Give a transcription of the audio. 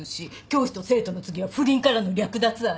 教師と生徒の次は不倫からの略奪愛？